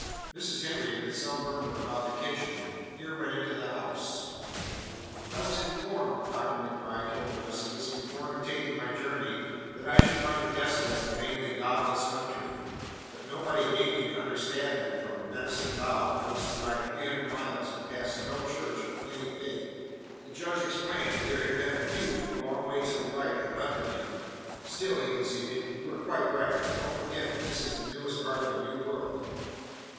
Mrs. Henry, with some murmur about the kitchen, here went into the house. "I was informed," Dr. MacBride held the rest of us, "before undertaking my journey that I should find a desolate and mainly godless country. But nobody gave me to understand that from Medicine Bow I was to drive three hundred miles and pass no church of any faith." The Judge explained that there had been a few a long way to the right and left of him. "Still," he conceded, "you are quite right. But don't forget that this is the newest part of a new world."